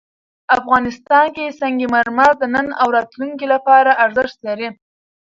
افغانستان کې سنگ مرمر د نن او راتلونکي لپاره ارزښت لري.